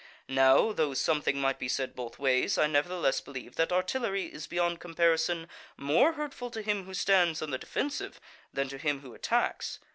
Now, though something might be said both ways, I nevertheless believe that artillery is beyond comparison more hurtful to him who stands on the defensive than to him who attacks.